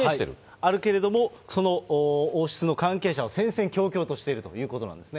あるけれどもその王室の関係者は戦々恐々としているということなんですね。